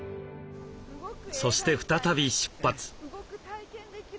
そして再び出発。